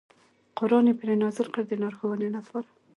قران یې پرې نازل کړ د لارښوونې لپاره.